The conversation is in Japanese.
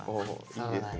いいですね。